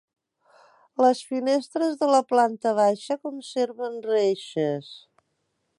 Les finestres de la planta baixa conserven reixes.